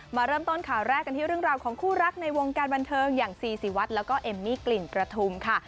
มาเริ่มต้นข่าวแรกกันที่เรื่องราวของคู่รักในวงการบันเทิงอย่างซีซีวัดแล้วก็เอมมี่กลิ่นประทุมค่ะ